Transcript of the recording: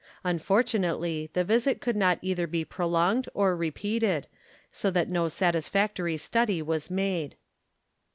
Unfortunately, the visit could not either be prolonged or repeated, so that no satisfactory study was made.